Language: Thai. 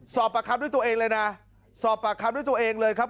สอบปากคำด้วยตัวเองเลยนะสอบปากคำด้วยตัวเองเลยครับ